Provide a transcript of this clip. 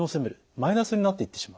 マイナスになっていってしまう。